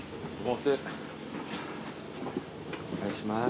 お願いします。